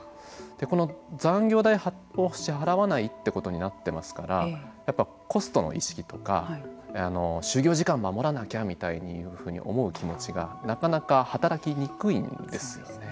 この残業代を支払わないってことになってますからやっぱりコストの意識とか就業時間を守らなきゃみたいに思う気持ちがなかなか働きにくいんです。